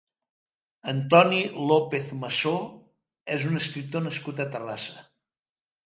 Antoni López Massó és un escriptor nascut a Terrassa.